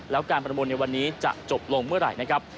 แล้วการประมูลในวันนี้จะจบลงเมื่อไหร่นะครับ